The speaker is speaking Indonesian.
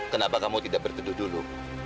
kenapa kamu tidak bertuduh dulu